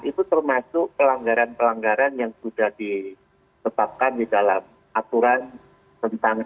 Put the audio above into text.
itu termasuk pelanggaran pelanggaran yang sudah ditetapkan di dalam aturan tentang etika bagi asn